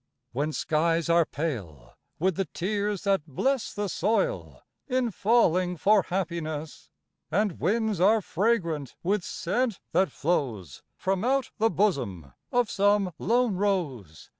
When skies are pale with the tears that bless The soil, in falling for happiness? And winds are fragrant with scent that flows From out the bosom of some lone rose?